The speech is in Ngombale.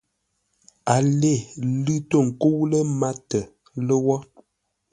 A lê, lʉ̂ tô ńkə́u lə́ mátə lə́wó.